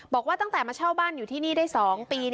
บอกว่าตั้งแต่มาเช่าบ้านอยู่ที่นี่ได้๒ปี